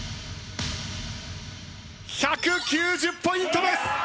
１９０ポイントです！